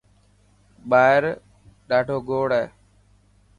ٻاهر ڏاڌوگوڙ هي.